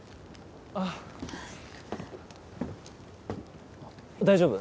あっ大丈夫？